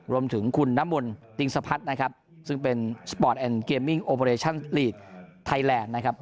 รวมถึงคุณน้ำมนติงสะพัดนะครับซึ่งเป็นสปอร์ตแอนดเกมมิ่งโอปอเรชั่นลีกไทยแลนด์นะครับ